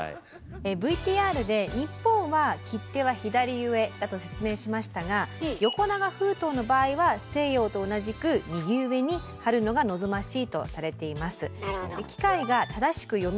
ＶＴＲで日本は切手は左上だと説明しましたが横長封筒の場合は西洋と同じく右上に貼るのが望ましいとされています。